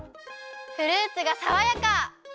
フルーツがさわやか！